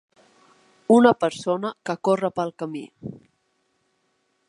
Una persona que corre pel camí